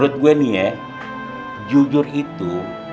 hati yang nempes yaitu